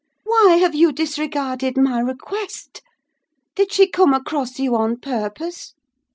Why have you disregarded my request? Did she come across you on purpose?"